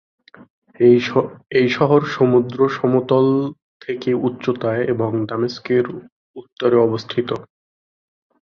এই শহর সমুদ্র সমতল থেকে উচ্চতায় এবং দামেস্কের উত্তরে অবস্থিত।